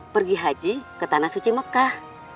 pergi haji ke tanah suci mekah